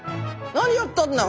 何やったんだ？